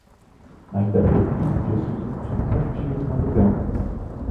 Ainda bem que no dia seguinte não tinha de madrugar!